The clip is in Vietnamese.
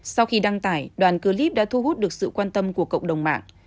sau khi đăng tải đoàn clip đã thu hút được sự quan tâm của cộng đồng mạng